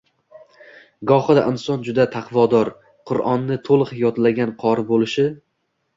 Gohida inson juda taqvodor, Quronni to‘liq yodlagan qori bo‘lishi